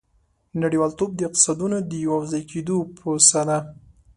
• نړیوالتوب د اقتصادونو د یوځای کېدو پروسه ده.